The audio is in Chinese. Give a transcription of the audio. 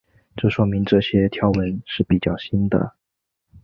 这说明这些条纹是比较新的。